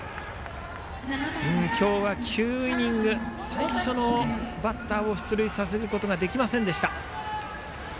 今日は９イニング最初のバッターを出塁させることができませんでした。